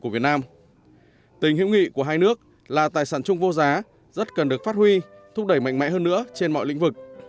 và hai nước là tài sản chung vô giá rất cần được phát huy thúc đẩy mạnh mẽ hơn nữa trên mọi lĩnh vực